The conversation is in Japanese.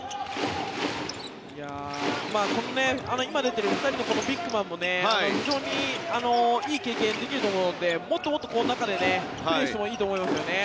この今出ている２人のビックマンも非常にいい経験ができると思うのでもっともっと中でプレーしてもいいと思いますね。